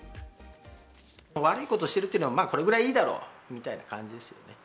悪いことしてるっていうよりは、これくらいいいだろうみたいな感じですよね。